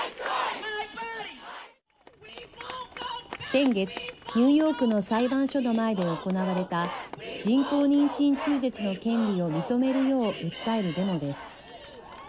先月、ニューヨークの裁判所の前で行われた人工妊娠中絶の権利を認めるよう訴えるデモです。